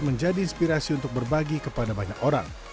dan juga inspirasi untuk berbagi kepada banyak orang